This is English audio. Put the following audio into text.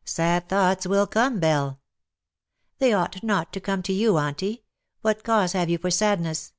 '' Sad thoughts will come, Belle." ^' They ought not to come to you, Auntie. What cause have you for sadness